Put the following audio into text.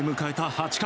８回。